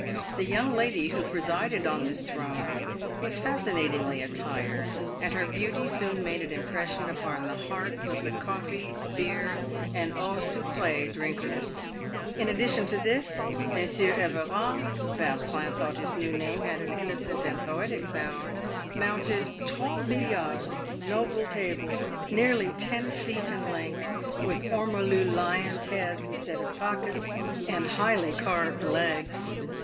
The young lady who presided on this throne was fascinatingly attired, and her beauty soon made an impression upon the hearts of the coffee, beer, and eau sucr£e drinkers. In addition to this, Monsieur Everard (Yautrin thought his new name had an innocent and poetic sound) mounted " trois billards" — noble tables, nearly ten feet in length, with ormolu lions' heads instead of pockets, and highly carved legs.